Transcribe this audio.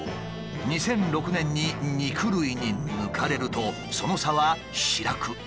２００６年に肉類に抜かれるとその差は開く一方に。